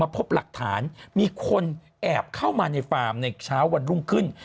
พบหลักฐานมีคนแอบเข้ามาในฟาร์มในเช้าวันรุ่งขึ้น